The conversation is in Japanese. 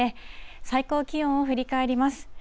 最高気温を振り返ります。